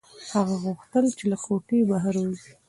هغه غوښتل چې له کوټې بهر ووځي.